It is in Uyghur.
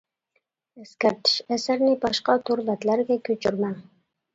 ئەسكەرتىش: ئەسەرنى باشقا تور بەتلەرگە كۆچۈرمەڭ!